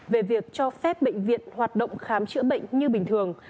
về việc cho phép bệnh viện hoạt động khám chữa bệnh như bình thường